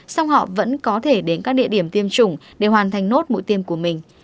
song họ vẫn có thể đến các địa điểm tiêm chủng để hoàn thành nốt mũi tiêm của mình